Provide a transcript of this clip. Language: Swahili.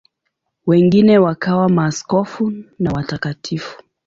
Wengine wakawa maaskofu na watakatifu.